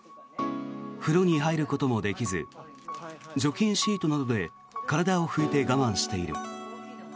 風呂に入ることもできず除菌シートなどで体を拭いて我慢している。